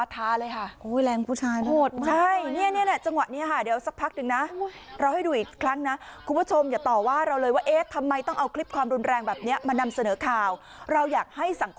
ตอนแรกต้นคลิปคิดว่า๑ต่อ๑